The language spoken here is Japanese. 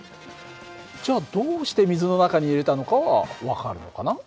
じゃあどうして水の中に入れたのかは分かるのかな？